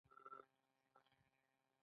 هغه باید د ارباب اوامر سرته رسولي وای.